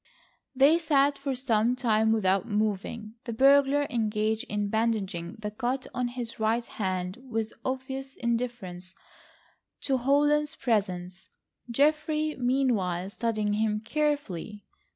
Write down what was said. They sat for some time without moving, the burglar engaged in bandaging the cut on his right hand with obvious indifference to Holland's presence, Geoffrey meanwhile studying him carefully.